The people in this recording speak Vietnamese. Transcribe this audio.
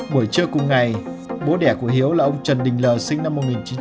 buổi trưa cùng ngày bố đẻ của hiếu là ông trần đình lờ sinh năm một nghìn chín trăm bốn mươi chín